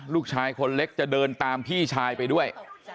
ลูกชายคนเล็กจะเดินตามพี่ชายไปด้วย